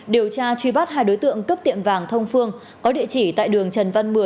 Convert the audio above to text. điều tra truy bắt hai đối tượng cấp tiệm vàng thông phương có địa chỉ tại đường trần văn một mươi